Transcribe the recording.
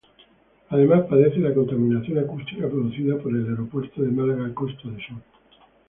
Además, padece la contaminación acústica producida por el Aeropuerto de Málaga-Costa del Sol.